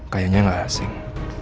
kayaknya gak asing